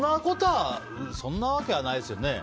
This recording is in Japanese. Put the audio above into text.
そんなわけはないですよね？